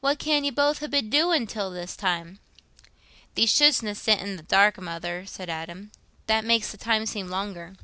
What can ye both ha' been doin' till this time?" "Thee shouldstna sit i' the dark, Mother," said Adam; "that makes the time seem longer."